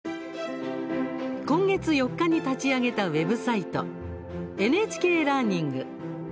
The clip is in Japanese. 今月４日に立ち上げたウェブサイト「ＮＨＫラーニング」。